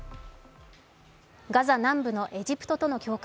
ガザ南部のエジプトとの境界